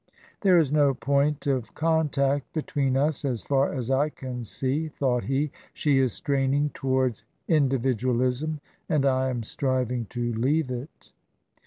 " There is no point of contact between us as far as I can see," thought he ;" she is straining towards Individu alism, and I am striving to leave it."